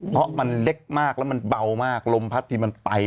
เพราะมันเล็กมากแล้วมันเบามากลมพัดทีมันไป